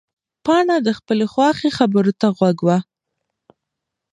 پاڼه د خپلې خواښې خبرو ته غوږ وه.